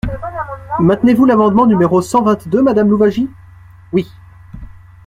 Maintenez-vous l’amendement numéro cent vingt-deux, madame Louwagie ? Oui.